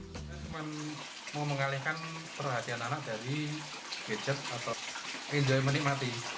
saya cuma mau mengalihkan perhatian anak dari gadget atau enjoy money mati